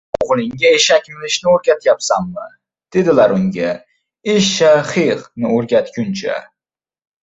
— O‘g‘lingga eshak minishni o‘rgatyapsanmi? — dedilar unga, — «Ishsha… xix!» ni o‘rgatguncha